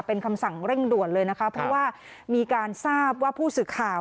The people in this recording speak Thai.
เป็นคำสั่งเร่งด่วนเลยนะคะเพราะว่ามีการทราบว่าผู้สื่อข่าว